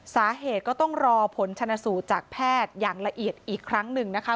สาเหตุก็ต้องรอผลชนสูตรจากแพทย์อย่างละเอียดอีกครั้งหนึ่งนะคะ